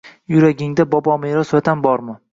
Yuragingda bobomeros Vatan bormi